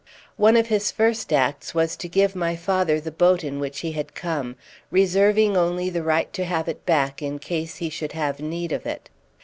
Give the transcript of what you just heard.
One of his first acts was to give my father the boat in which he had come, reserving only the right to have it back in case he should have need of it.